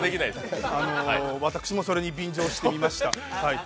ええ、私もそれに便乗してみました。